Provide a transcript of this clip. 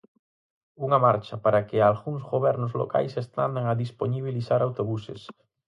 Unha marcha para a que algúns gobernos locais están a dispoñibilizar autobuses.